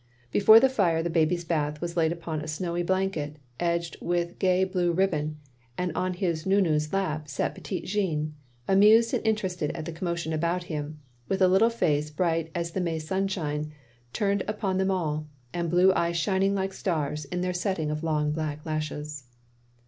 Before the fire the baby's bath was laid upon a snowy blanket, edged with gay blue ribbon, and on his nou nou's lap sat petit Jean, amused and interested at the commotion about him, with a little face bright as the May sunshine turned upon them all, and blue eyes shining like stars, in their setting of long black lashes.